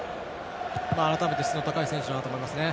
改めて質の高い選手だなと思いますね。